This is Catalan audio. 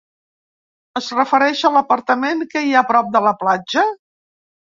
Es refereix a l'apartament que hi ha prop de la platja?